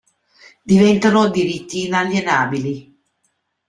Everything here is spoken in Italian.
Diventano diritti inalienabili.